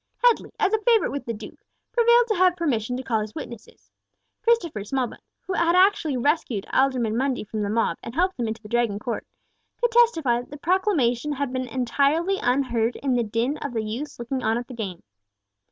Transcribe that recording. Headley, as a favourite with the Duke, prevailed to have permission to call his witnesses; Christopher Smallbones, who had actually rescued Alderman Mundy from the mob, and helped him into the Dragon court, could testify that the proclamation had been entirely unheard in the din of the youths looking on at the game.